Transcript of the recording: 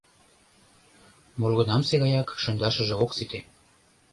Молгунамсе гаяк шындашыже ок сите.